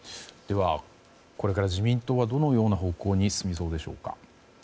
これから自民党はどのような方向に進みそうでしょうか。